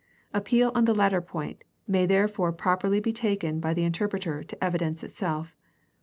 Appeal on the latter point may therefore properly be taken by the interpreter to the evidence itself.